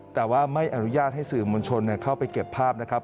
แต่ว่าไม่อนุญาตให้สื่อมวลชนเข้าไปเก็บภาพนะครับ